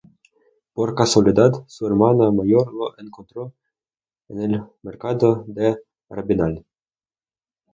Por casualidad, su hermana mayor lo encontró en el mercado de Rabinal.